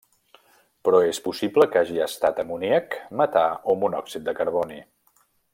Però és possible que hagi estat amoníac, metà o monòxid de carboni.